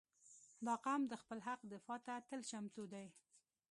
• دا قوم د خپل حق دفاع ته تل چمتو دی.